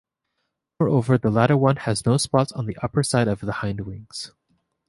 Moreover the latter one has no spots on the upperside of the hindwings.